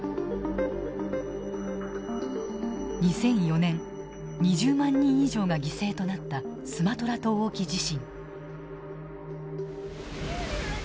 ２００４年２０万人以上が犠牲となったスマトラ島沖地震。